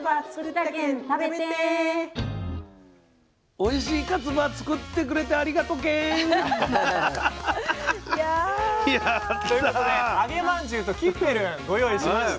おいしいかつば作ってくれてありがとけん。ということで「揚げまんじゅう」と「キッフェルン」ご用意しました。